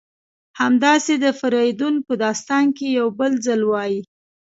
همداسې د فریدون په داستان کې یو بل ځل وایي: